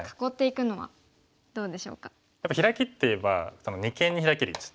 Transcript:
やっぱりヒラキっていえば二間にヒラける位置。